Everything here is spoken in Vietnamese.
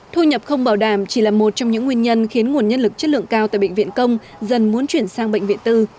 thu nhập không bảo đảm chỉ là một trong những nguyên nhân khiến nguồn nhân lực chất lượng cao tại bệnh viện công dần muốn chuyển sang bệnh viện tư